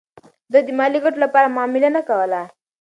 ده د ملي ګټو لپاره معامله نه کوله.